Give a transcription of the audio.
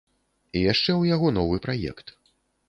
І яшчэ ў яго новы праект.